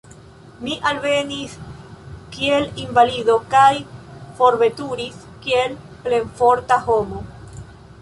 Mi alvenis kiel invalido kaj forveturis kiel plenforta homo.